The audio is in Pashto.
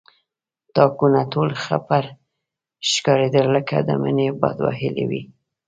تاکونه ټول خړپړ ښکارېدل لکه د مني باد وهلي وي.